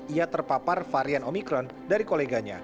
ia terpapar varian omikron dari koleganya